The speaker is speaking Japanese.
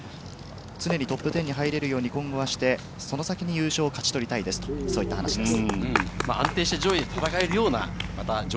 常にトップ１０に入れるように、その先に優勝を勝ち取りたいという話です。